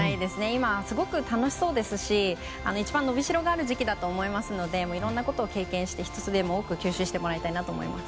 今すごく楽しそうですし一番伸びしろがある時期だと思いますのでいろんなことを経験して１つでも多く吸収してもらいたいなと思います。